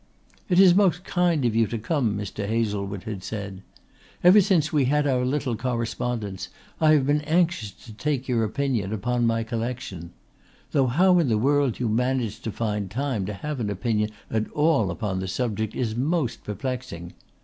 "It is most kind of you to come," Mr. Hazlewood had said. "Ever since we had our little correspondence I have been anxious to take your opinion on my collection. Though how in the world you manage to find time to have an opinion at all upon the subject is most perplexing.